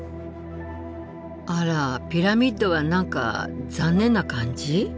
あらピラミッドは何か残念な感じ？